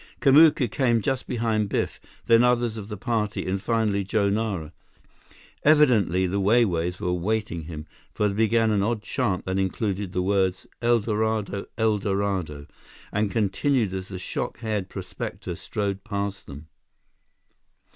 Kamuka came just behind Biff, then others of the party, and finally Joe Nara. Evidently, the Wai Wais were awaiting him, for they began an odd chant that included the words, "El Dorado—El Dorado—" and continued as the shock haired prospector strode past them.